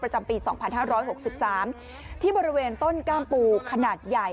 จำปี๒๕๖๓ที่บริเวณต้นก้ามปูขนาดใหญ่